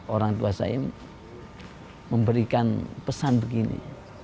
orang tua saya memberikan pesan begini